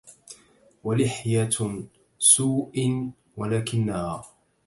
ولحية سوء ولكنها